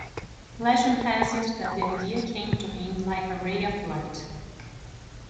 Legend has it that the idea came to him "like a ray of light".